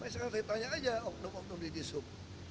saya tanya aja oknum oknum di jisub